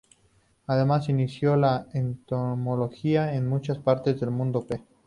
Además, inició la entomología en muchas partes del mundo, p.